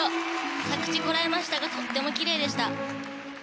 着地こらえましたがとっても奇麗でした。